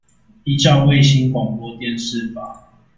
依照衛星廣播電視法